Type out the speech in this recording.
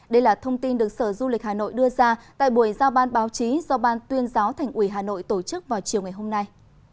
đây là thông tin được sở du lịch hà nội đưa ra tại buổi giao ban báo chí do ban tuyên giáo thành ủy hà nội tổ chức vào chiều ngày hôm nay